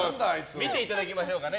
見ていただきましょうかね。